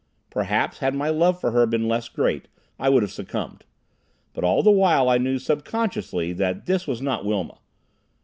Perhaps had my love for her been less great, I would have succumbed. But all the while I knew subconsciously that this was not Wilma.